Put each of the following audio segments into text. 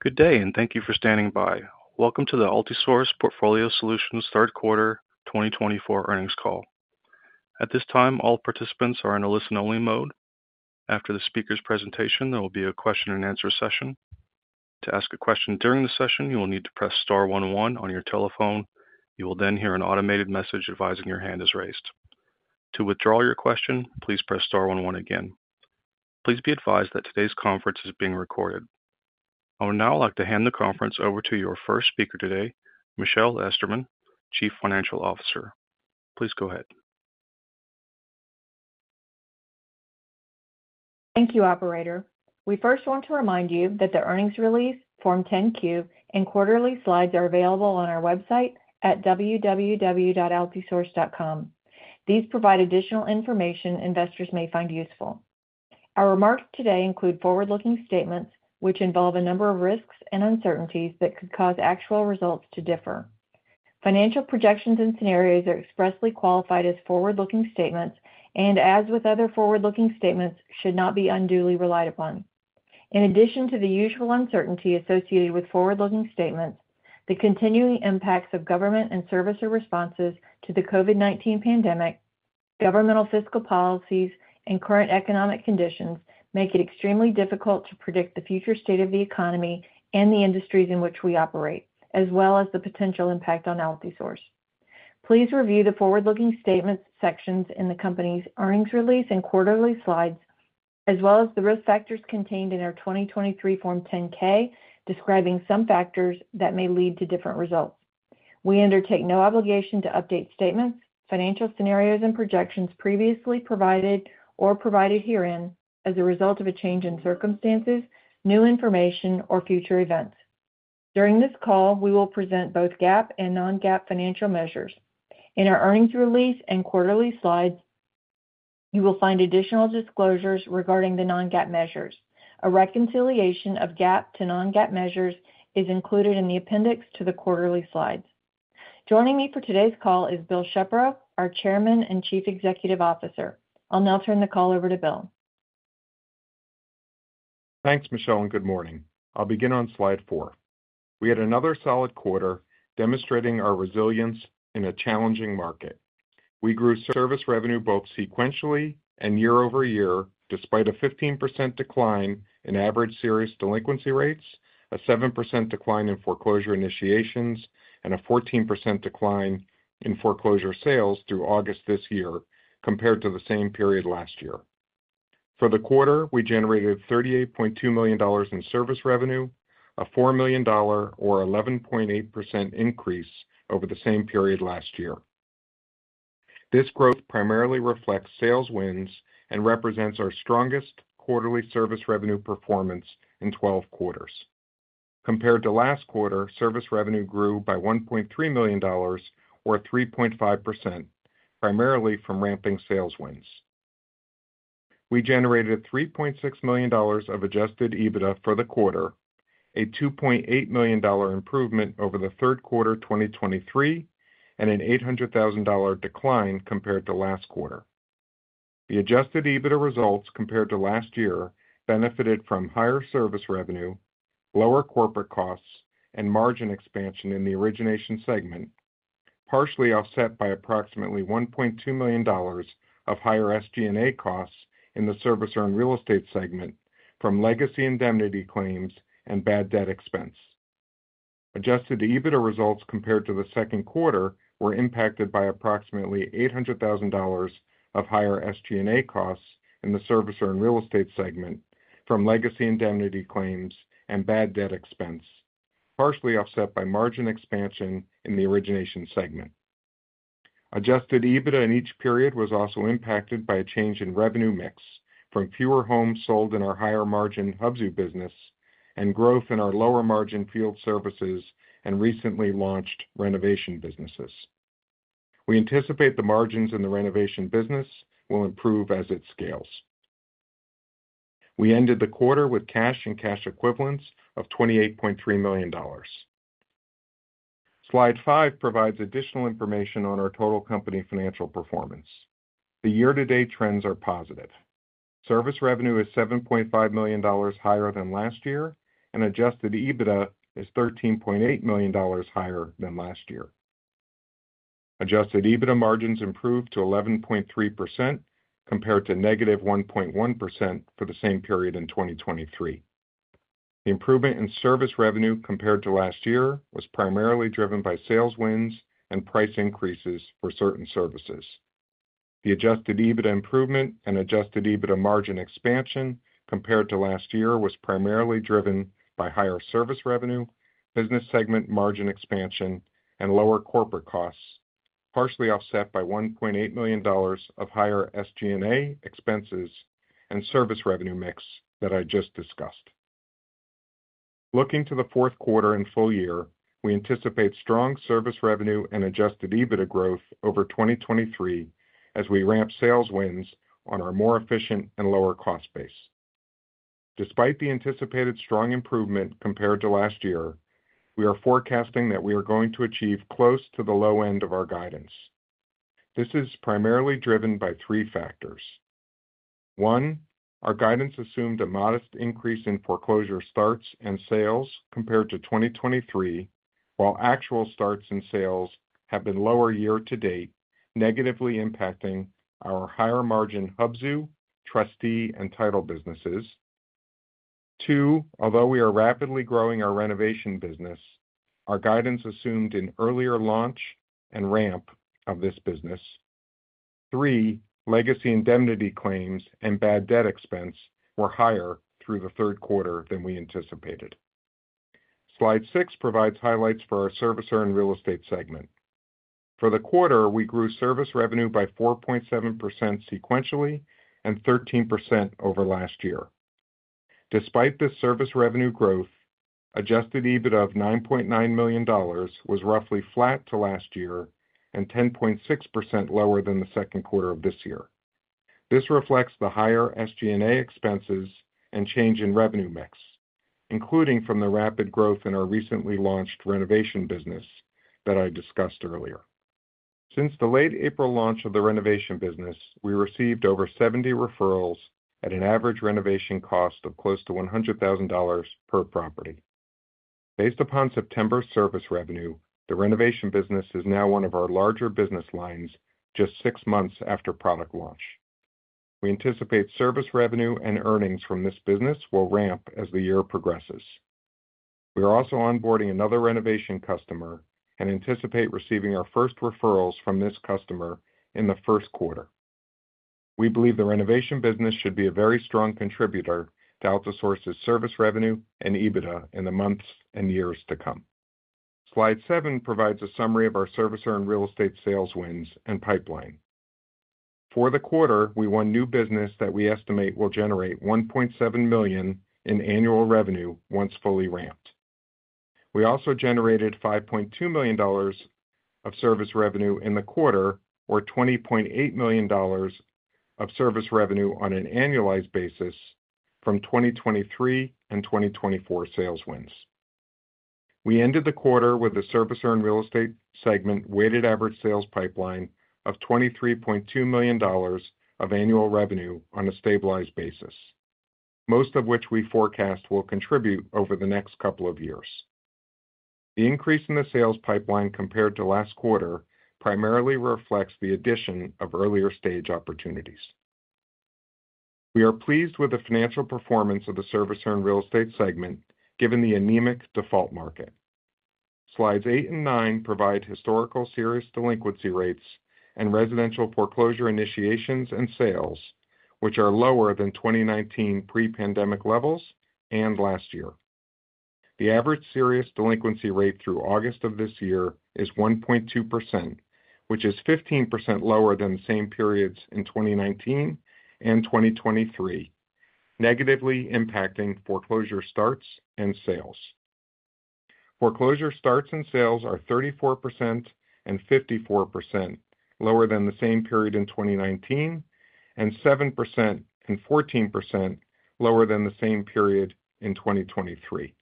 Good day, and thank you for standing by. Welcome to the Altisource Portfolio Solutions third quarter 2024 earnings call. At this time, all participants are in a listen-only mode. After the speaker's presentation, there will be a question-and-answer session. To ask a question during the session, you will need to press star one one on your telephone. You will then hear an automated message advising your hand is raised. To withdraw your question, please press star one one again. Please be advised that today's conference is being recorded. I would now like to hand the conference over to your first speaker today, Michelle Esterman, Chief Financial Officer. Please go ahead. Thank you, operator. We first want to remind you that the earnings release, Form 10-Q, and quarterly slides are available on our website at www.altisource.com. These provide additional information investors may find useful. Our remarks today include forward-looking statements, which involve a number of risks and uncertainties that could cause actual results to differ. Financial projections and scenarios are expressly qualified as forward-looking statements and, as with other forward-looking statements, should not be unduly relied upon. In addition to the usual uncertainty associated with forward-looking statements, the continuing impacts of government and servicer responses to the COVID-19 pandemic, governmental fiscal policies, and current economic conditions make it extremely difficult to predict the future state of the economy and the industries in which we operate, as well as the potential impact on Altisource. Please review the forward-looking statements sections in the company's earnings release and quarterly slides, as well as the risk factors contained in our 2023 Form 10-K, describing some factors that may lead to different results. We undertake no obligation to update statements, financial scenarios and projections previously provided or provided herein as a result of a change in circumstances, new information, or future events. During this call, we will present both GAAP and non-GAAP financial measures. In our earnings release and quarterly slides, you will find additional disclosures regarding the non-GAAP measures. A reconciliation of GAAP to non-GAAP measures is included in the appendix to the quarterly slides. Joining me for today's call is Bill Shepro, our Chairman and Chief Executive Officer. I'll now turn the call over to Bill. Thanks, Michelle, and good morning. I'll begin on slide four. We had another solid quarter, demonstrating our resilience in a challenging market. We grew service revenue both sequentially and year-over-year, despite a 15% decline in average serious delinquency rates, a 7% decline in foreclosure initiations, and a 14% decline in foreclosure sales through August this year compared to the same period last year. For the quarter, we generated $38.2 million in service revenue, a $4 million, or 11.8% increase over the same period last year. This growth primarily reflects sales wins and represents our strongest quarterly service revenue performance in 12 quarters. Compared to last quarter, service revenue grew by $1.3 million, or 3.5%, primarily from ramping sales wins. We generated $3.6 million of Adjusted EBITDA for the quarter, a $2.8 million improvement over the third quarter 2023, and an $800,000 decline compared to last quarter. The Adjusted EBITDA results compared to last year benefited from higher service revenue, lower corporate costs, and margin expansion in the origination segment, partially offset by approximately $1.2 million of higher SG&A costs in the servicer and real estate segment from legacy indemnity claims and bad debt expense. Adjusted EBITDA results compared to the second quarter were impacted by approximately $800,000 of higher SG&A costs in the servicer and real estate segment from legacy indemnity claims and bad debt expense, partially offset by margin expansion in the origination segment. Adjusted EBITDA in each period was also impacted by a change in revenue mix from fewer homes sold in our higher-margin Hubzu business and growth in our lower-margin field services and recently launched renovation businesses. We anticipate the margins in the renovation business will improve as it scales. We ended the quarter with cash and cash equivalents of $28.3 million. Slide five provides additional information on our total company financial performance. The year-to-date trends are positive. Service revenue is $7.5 million higher than last year, and adjusted EBITDA is $13.8 million higher than last year. Adjusted EBITDA margins improved to 11.3%, compared to negative 1.1% for the same period in 2023. The improvement in service revenue compared to last year was primarily driven by sales wins and price increases for certain services. The adjusted EBITDA improvement and adjusted EBITDA margin expansion compared to last year was primarily driven by higher service revenue, business segment margin expansion, and lower corporate costs, partially offset by $1.8 million of higher SG&A expenses and service revenue mix that I just discussed. Looking to the fourth quarter and full-year, we anticipate strong service revenue and adjusted EBITDA growth over 2023 as we ramp sales wins on our more efficient and lower cost base. Despite the anticipated strong improvement compared to last year, we are forecasting that we are going to achieve close to the low end of our guidance. This is primarily driven by three factors. One, our guidance assumed a modest increase in foreclosure starts and sales compared to 2023, while actual starts and sales have been lower year to date, negatively impacting our higher margin Hubzu, trustee, and title businesses. Two, although we are rapidly growing our renovation business, our guidance assumed an earlier launch and ramp of this business. Three, legacy indemnity claims and bad debt expense were higher through the third quarter than we anticipated. Slide six provides highlights for our servicer and real estate segment. For the quarter, we grew service revenue by 4.7% sequentially and 13% over last year. Despite this service revenue growth, Adjusted EBITDA of $9.9 million was roughly flat to last year and 10.6% lower than the second quarter of this year. This reflects the higher SG&A expenses and change in revenue mix, including from the rapid growth in our recently launched renovation business that I discussed earlier. Since the late April launch of the renovation business, we received over seventy referrals at an average renovation cost of close to $100,000 per property. Based upon September service revenue, the renovation business is now one of our larger business lines just six months after product launch. We anticipate service revenue and earnings from this business will ramp as the year progresses. We are also onboarding another renovation customer and anticipate receiving our first referrals from this customer in the first quarter. We believe the renovation business should be a very strong contributor to Altisource's service revenue and EBITDA in the months and years to come. Slide seven provides a summary of our servicer and real estate sales wins and pipeline. For the quarter, we won new business that we estimate will generate $1.7 million in annual revenue once fully ramped. We also generated $5.2 million of service revenue in the quarter, or $20.8 million of service revenue on an annualized basis from 2023 and 2024 sales wins. We ended the quarter with a servicer and real estate segment weighted average sales pipeline of $23.2 million of annual revenue on a stabilized basis, most of which we forecast will contribute over the next couple of years. The increase in the sales pipeline compared to last quarter primarily reflects the addition of earlier stage opportunities. We are pleased with the financial performance of the servicer and real estate segment, given the anemic default market. Slides eight and nine provide historical serious delinquency rates and residential foreclosure initiations and sales, which are lower than 2019 pre-pandemic levels and last year. The average serious delinquency rate through August of this year is 1.2%, which is 15% lower than the same periods in 2019 and 2023, negatively impacting foreclosure starts and sales. Foreclosure starts and sales are 34% and 54% lower than the same period in 2019, and 7% and 14% lower than the same period in 2023.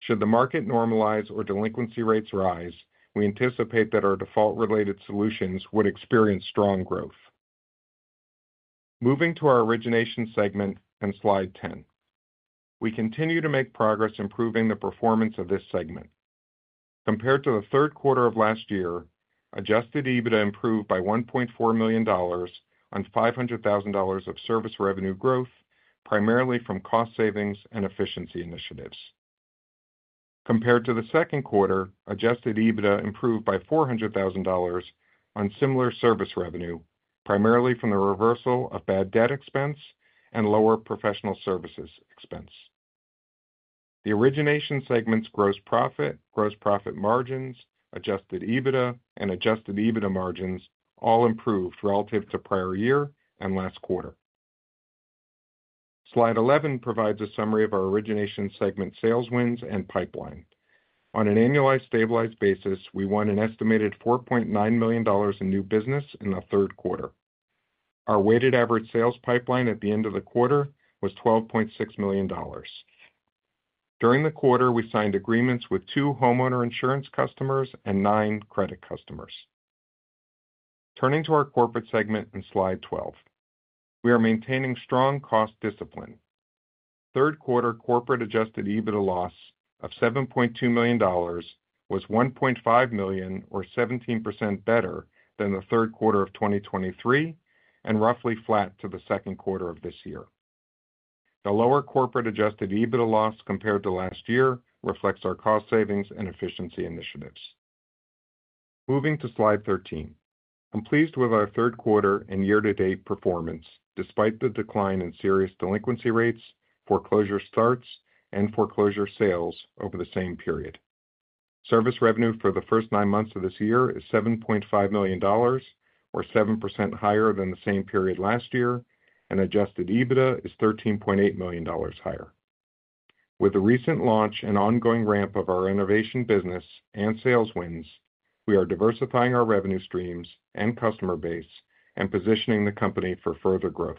Should the market normalize or delinquency rates rise, we anticipate that our default related solutions would experience strong growth. Moving to our origination segment on slide 10. We continue to make progress improving the performance of this segment. Compared to the third quarter of last year, Adjusted EBITDA improved by $1.4 million on $500,000 of service revenue growth, primarily from cost savings and efficiency initiatives. Compared to the second quarter, Adjusted EBITDA improved by $400,000 on similar service revenue, primarily from the reversal of bad debt expense and lower professional services expense. The origination segment's gross profit, gross profit margins, Adjusted EBITDA and Adjusted EBITDA margins all improved relative to prior year and last quarter. Slide 11 provides a summary of our origination segment sales, wins and pipeline. On an annualized, stabilized basis, we won an estimated $4.9 million in new business in the third quarter. Our weighted average sales pipeline at the end of the quarter was $12.6 million. During the quarter, we signed agreements with two homeowner insurance customers and nine credit customers. Turning to our corporate segment in slide 12, we are maintaining strong cost discipline. Third quarter corporate Adjusted EBITDA loss of $7.2 million was $1.5 million, or 17% better than the third quarter of 2023 and roughly flat to the second quarter of this year. The lower corporate Adjusted EBITDA loss compared to last year reflects our cost savings and efficiency initiatives. Moving to slide 13. I'm pleased with our third quarter and year-to-date performance, despite the decline in serious delinquency rates, foreclosure starts, and foreclosure sales over the same period. Service revenue for the first nine months of this year is $7.5 million, or 7% higher than the same period last year, and Adjusted EBITDA is $13.8 million higher. With the recent launch and ongoing ramp of our renovation business, and sales wins, we are diversifying our revenue streams and customer base and positioning the company for further growth.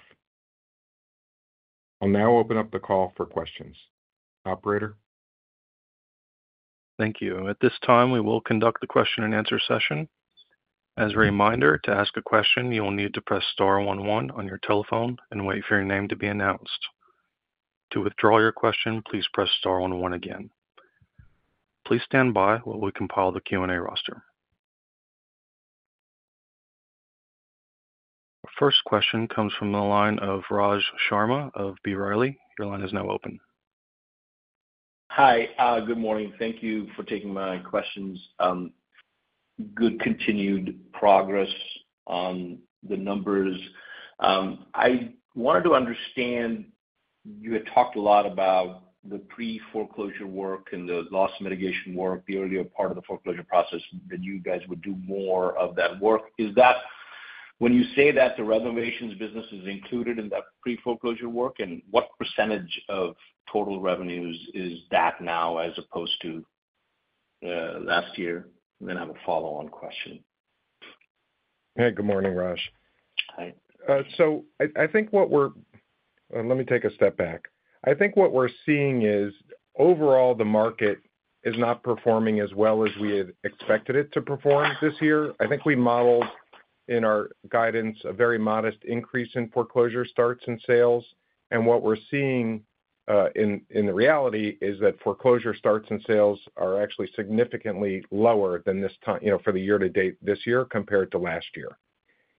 I'll now open up the call for questions. Operator? Thank you. At this time, we will conduct the question-and-answer session. As a reminder, to ask a question, you will need to press star one one on your telephone and wait for your name to be announced. To withdraw your question, please press star one one again. Please stand by while we compile the Q&A roster. First question comes from the line of Raj Sharma of B. Riley. Your line is now open. Hi, good morning. Thank you for taking my questions. Good continued progress on the numbers. I wanted to understand, you had talked a lot about the pre-foreclosure work and the loss mitigation work, the earlier part of the foreclosure process, that you guys would do more of that work. Is that when you say that the renovations business is included in that pre-foreclosure work, and what percentage of total revenues is that now as opposed to last year? Then I have a follow-on question. Hey, good morning, Raj. Hi. Let me take a step back. I think what we're seeing is, overall, the market is not performing as well as we had expected it to perform this year. I think we modeled in our guidance a very modest increase in foreclosure starts and sales, and what we're seeing in reality is that foreclosure starts and sales are actually significantly lower than this time, you know, for the year to date this year compared to last year.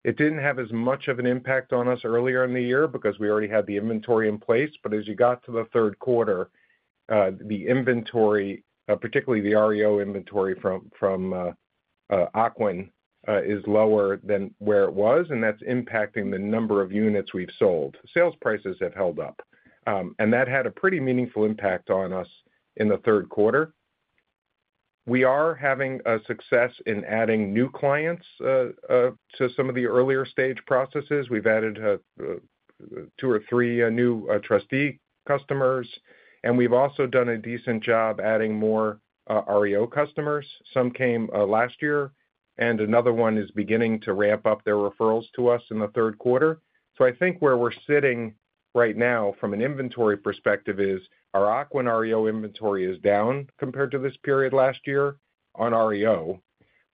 It didn't have as much of an impact on us earlier in the year because we already had the inventory in place, but as you got to the third quarter, the inventory, particularly the REO inventory from Ocwen, is lower than where it was, and that's impacting the number of units we've sold. Sales prices have held up, and that had a pretty meaningful impact on us in the third quarter. We are having a success in adding new clients to some of the earlier stage processes. We've added two or three new trustee customers, and we've also done a decent job adding more REO customers. Some came last year, and another one is beginning to ramp up their referrals to us in the third quarter. So I think where we're sitting right now from an inventory perspective is our Ocwen REO inventory is down compared to this period last year on REO,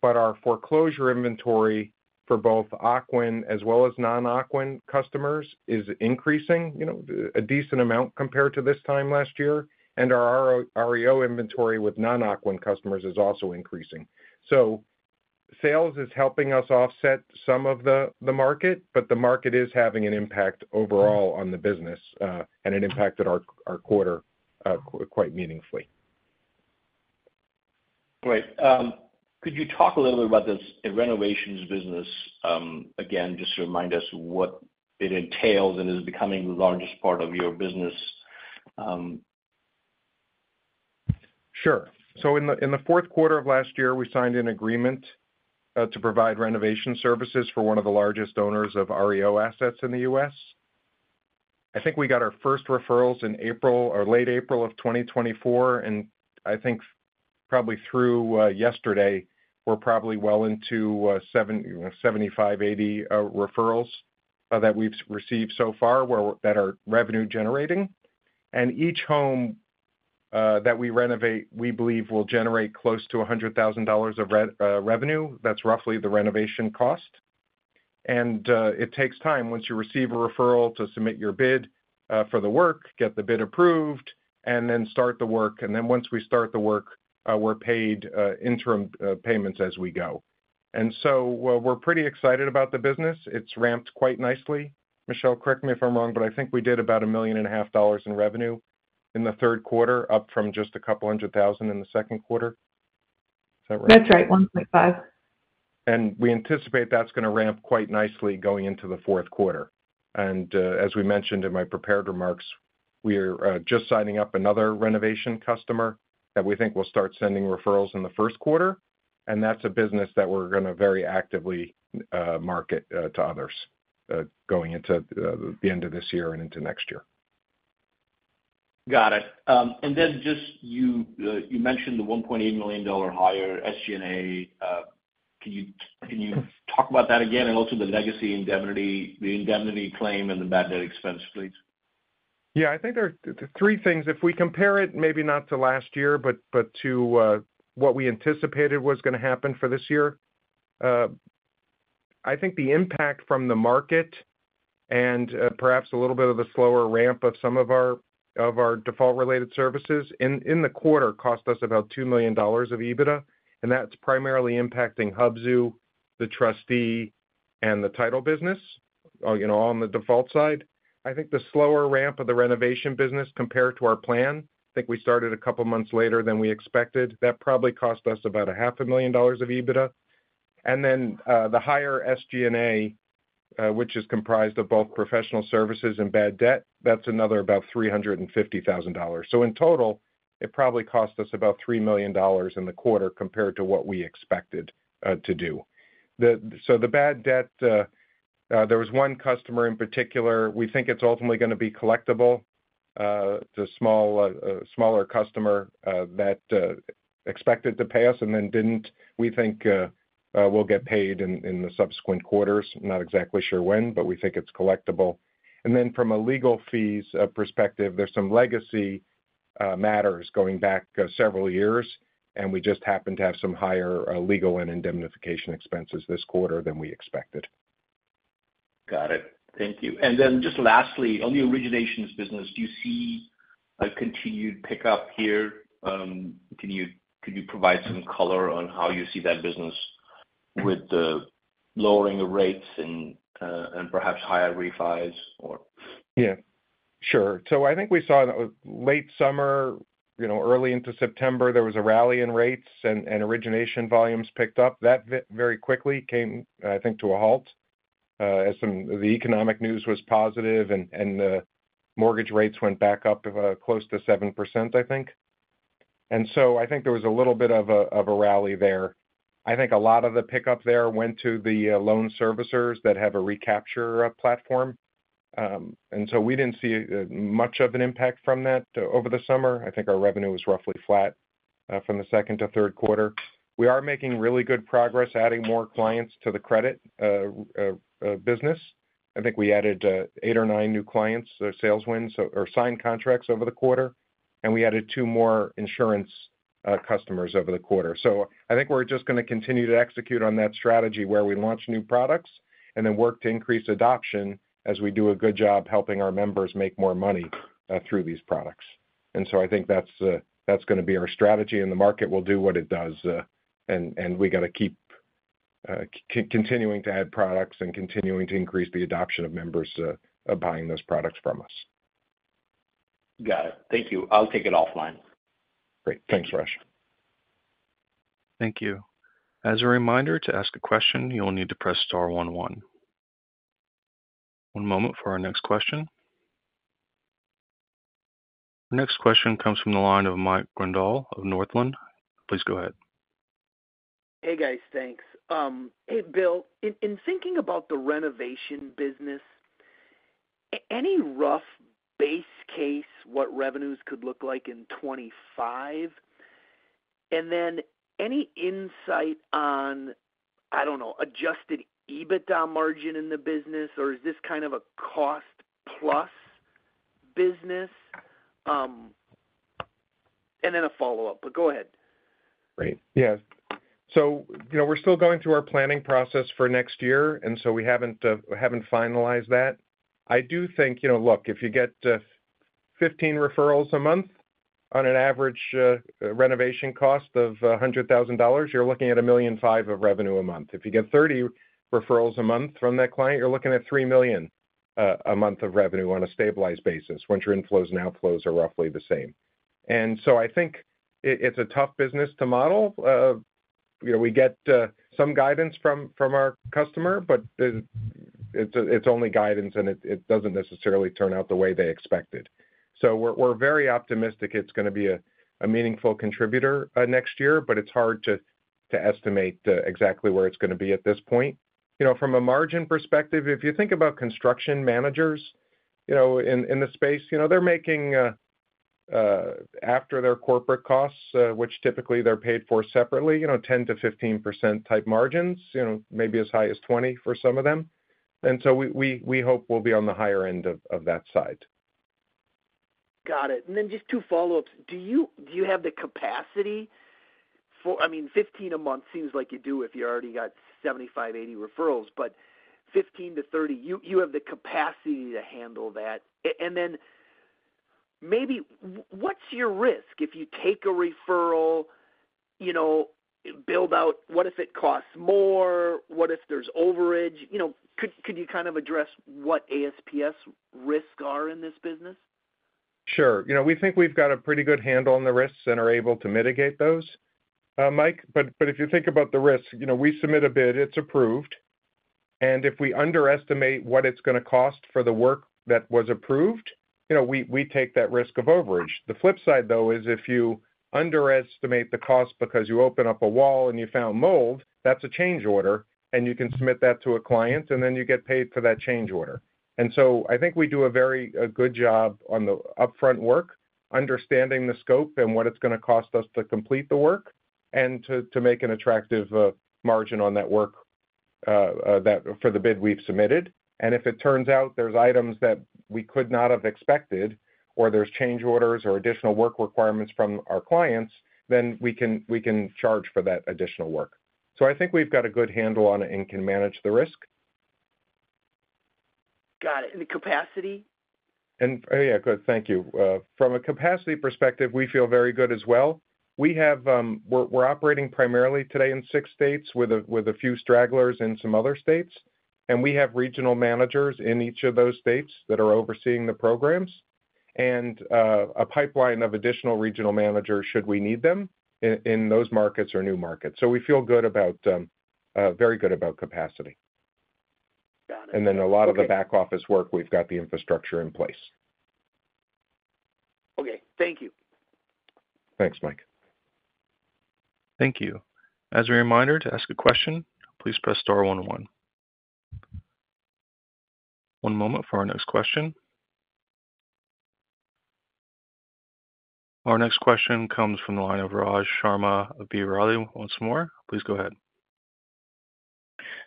but our foreclosure inventory for both Ocwen as well as non-Ocwen customers is increasing, you know, a decent amount compared to this time last year, and our REO inventory with non-Ocwen customers is also increasing. So sales is helping us offset some of the market, but the market is having an impact overall on the business, and it impacted our quarter quite meaningfully. Great. Could you talk a little bit about this renovations business, again, just to remind us what it entails, and is it becoming the largest part of your business? Sure. So in the fourth quarter of last year, we signed an agreement to provide renovation services for one of the largest owners of REO assets in the U.S. I think we got our first referrals in April or late April of 2024, and I think probably through yesterday, we're probably well into 75-80 referrals that we've received so far that are revenue generating. And each home that we renovate, we believe, will generate close to $100,000 of revenue. That's roughly the renovation cost. And it takes time once you receive a referral to submit your bid for the work, get the bid approved, and then start the work. And then once we start the work, we're paid interim payments as we go. And so we're pretty excited about the business. It's ramped quite nicely. Michelle, correct me if I'm wrong, but I think we did about $1.5 million in revenue in the third quarter, up from just $200,000 in the second quarter. Is that right? That's right $1.5 million. And we anticipate that's going to ramp quite nicely going into the fourth quarter. And, as we mentioned in my prepared remarks, we are just signing up another renovation customer that we think will start sending referrals in the first quarter, and that's a business that we're going to very actively market to others going into the end of this year and into next year. Got it. And then just you, you mentioned the $1.8 million higher SG&A. Can you talk about that again and also the legacy indemnity, the indemnity claim, and the bad debt expense, please? Yeah, I think there are three things. If we compare it, maybe not to last year, but to what we anticipated was going to happen for this year, I think the impact from the market and perhaps a little bit of a slower ramp of some of our default-related services in the quarter cost us about $2 million of EBITDA, and that's primarily impacting Hubzu, the trustee, and the title business, you know, on the default side. I think the slower ramp of the renovation business compared to our plan, I think we started a couple of months later than we expected. That probably cost us about $500,000 of EBITDA. And then the higher SG&A, which is comprised of both professional services and bad debt, that's another about $350,000. In total, it probably cost us about $3 million in the quarter compared to what we expected to do. The bad debt, there was one customer in particular. We think it's ultimately going to be collectible. It's a small, smaller customer that expected to pay us and then didn't. We think we'll get paid in the subsequent quarters. Not exactly sure when, but we think it's collectible. From a legal fees perspective, there's some legacy matters going back several years, and we just happened to have some higher legal and indemnification expenses this quarter than we expected. Got it. Thank you. And then just lastly, on the originations business, do you see a continued pickup here? Could you provide some color on how you see that business with the lowering of rates and and perhaps higher refis or? Yeah, sure. So I think we saw in late summer, you know, early into September, there was a rally in rates and origination volumes picked up. That very quickly came, I think, to a halt as some of the economic news was positive and the mortgage rates went back up to close to 7%, I think. And so I think there was a little bit of a rally there. I think a lot of the pickup there went to the loan servicers that have a recapture platform. And so we didn't see much of an impact from that over the summer. I think our revenue was roughly flat from the second to third quarter. We are making really good progress adding more clients to the credit business. I think we added eight or nine new clients, sales wins or signed contracts over the quarter, and we added two more insurance customers over the quarter. So I think we're just gonna continue to execute on that strategy, where we launch new products and then work to increase adoption as we do a good job helping our members make more money through these products. And so I think that's that's gonna be our strategy, and the market will do what it does, and we're gonna keep continuing to add products and continuing to increase the adoption of members buying those products from us. Got it. Thank you. I'll take it offline. Great. Thanks, Raj. Thank you. As a reminder, to ask a question, you will need to press star one one. One moment for our next question. Our next question comes from the line of Mike Grondahl of Northland. Please go ahead. Hey, guys, thanks. Hey, Bill, in thinking about the renovation business, any rough base case, what revenues could look like in 2025? And then any insight on, I don't know, Adjusted EBITDA margin in the business, or is this kind of a cost-plus business? And then a follow-up, but go ahead. Great. Yeah, so you know, we're still going through our planning process for next year, and so we haven't finalized that. I do think, you know, look, if you get 15 referrals a month on an average renovation cost of $100,000, you're looking at $1.5 million of revenue a month. If you get 30 referrals a month from that client, you're looking at $3 million a month of revenue on a stabilized basis, once your inflows and outflows are roughly the same. And so I think it's a tough business to model. You know, we get some guidance from our customer, but it's only guidance, and it doesn't necessarily turn out the way they expected. So we're very optimistic it's gonna be a meaningful contributor next year, but it's hard to estimate exactly where it's gonna be at this point. You know, from a margin perspective, if you think about construction managers, you know, in the space, you know, they're making after their corporate costs, which typically they're paid for separately, you know, 10%-15% type margins, you know, maybe as high as 20% for some of them. And so we hope we'll be on the higher end of that side. Got it, and then just two follow-ups. Do you have the capacity for... I mean, 15 a month seems like you do if you already got 75-80 referrals, but 15-30, you have the capacity to handle that. And then maybe what's your risk if you take a referral, you know, build out? What if it costs more? What if there's overage? You know, could you kind of address what ASPS risk are in this business? Sure. You know, we think we've got a pretty good handle on the risks and are able to mitigate those, Mike, but if you think about the risks, you know, we submit a bid, it's approved, and if we underestimate what it's gonna cost for the work that was approved, you know, we take that risk of overage. The flip side, though, is if you underestimate the cost because you open up a wall and you found mold, that's a change order, and you can submit that to a client, and then you get paid for that change order, so I think we do a very good job on the upfront work, understanding the scope and what it's gonna cost us to complete the work and to make an attractive margin on that work, that for the bid we've submitted. If it turns out there's items that we could not have expected or there's change orders or additional work requirements from our clients, then we can, we can charge for that additional work. I think we've got a good handle on it and can manage the risk. Got it. And the capacity? Yeah, good, thank you. From a capacity perspective, we feel very good as well. We have. We're operating primarily today in six states with a few stragglers in some other states. We have regional managers in each of those states that are overseeing the programs and a pipeline of additional regional managers should we need them in those states or new markets. We feel very good about capacity. Got it. And then a lot of the- Okay... back office work, we've got the infrastructure in place. Okay. Thank you. Thanks, Mike. Thank you. As a reminder, to ask a question, please press star one one. One moment for our next question. Our next question comes from the line of Raj Sharma of B. Riley. Once more, please go ahead....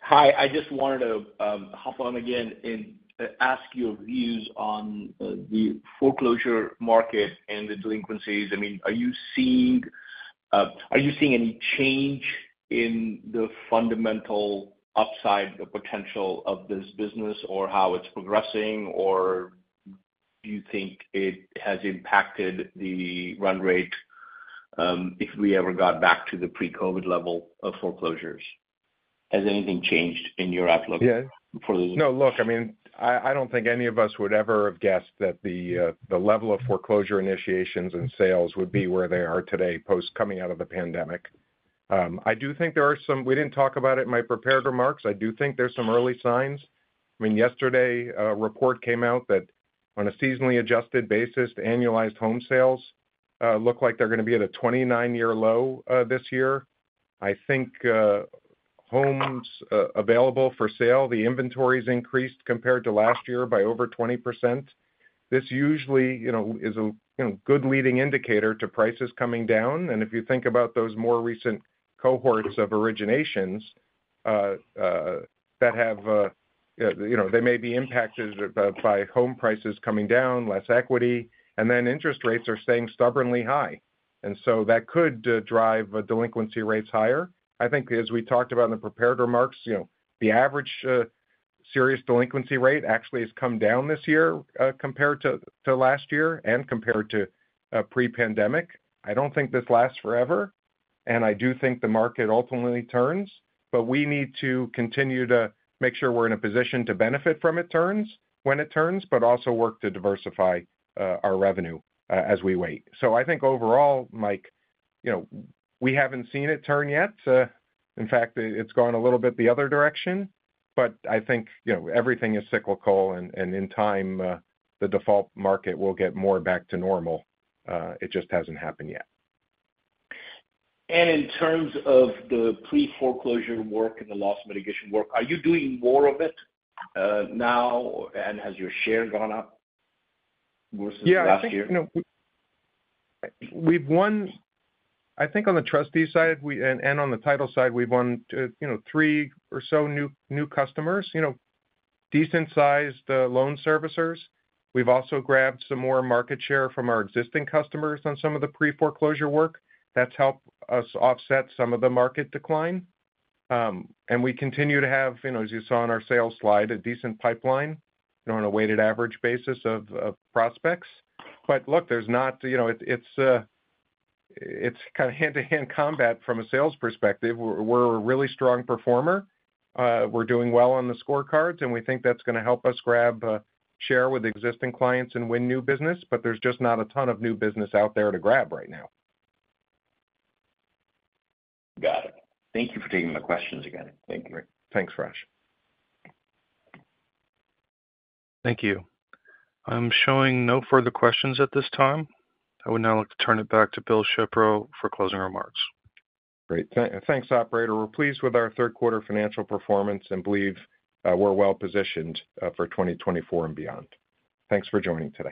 Hi. I just wanted to hop on again and ask your views on the foreclosure market and the delinquencies. I mean, are you seeing any change in the fundamental upside potential of this business or how it's progressing? Or do you think it has impacted the run rate, if we ever got back to the pre-COVID level of foreclosures? Has anything changed in your outlook? Yeah. For the- No, look, I mean, I, I don't think any of us would ever have guessed that the the level of foreclosure initiations and sales would be where they are today, post coming out of the pandemic. I do think there are some. We didn't talk about it in my prepared remarks. I do think there's some early signs. I mean, yesterday, a report came out that on a seasonally adjusted basis, annualized home sales look like they're gonna be at a 29-year low this year. I think homes available for sale, the inventory's increased compared to last year by over 20%. This usually, you know, is a, you know, good leading indicator to prices coming down. And if you think about those more recent cohorts of originations, that have, you know, they may be impacted by home prices coming down, less equity, and then interest rates are staying stubbornly high. And so that could drive delinquency rates higher. I think as we talked about in the prepared remarks, you know, the average serious delinquency rate actually has come down this year, compared to last year and compared to pre-pandemic. I don't think this lasts forever, and I do think the market ultimately turns, but we need to continue to make sure we're in a position to benefit from it turns, when it turns, but also work to diversify our revenue as we wait. So I think overall, Mike, you know, we haven't seen it turn yet. In fact, it's gone a little bit the other direction. But I think, you know, everything is cyclical, and in time, the default market will get more back to normal. It just hasn't happened yet. In terms of the pre-foreclosure work and the loss mitigation work, are you doing more of it now, and has your share gone up versus last year? Yeah, I think, you know, we've won. I think on the trustee side, we and on the title side, we've won, you know, three or so new customers, you know, decent-sized loan servicers. We've also grabbed some more market share from our existing customers on some of the pre-foreclosure work. That's helped us offset some of the market decline. And we continue to have, you know, as you saw in our sales slide, a decent pipeline, you know, on a weighted average basis of prospects. But look, there's not, you know, it's kind of hand-to-hand combat from a sales perspective. We're a really strong performer. We're doing well on the scorecards, and we think that's gonna help us grab share with existing clients and win new business, but there's just not a ton of new business out there to grab right now. Got it. Thank you for taking my questions again. Thank you. Thanks, Raj. Thank you. I'm showing no further questions at this time. I would now like to turn it back to Bill Shepro for closing remarks. Great. Thanks, operator. We're pleased with our third quarter financial performance and believe we're well positioned for twenty twenty-four and beyond. Thanks for joining today.